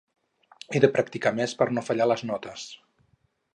He de practicar més per no fallar les notes.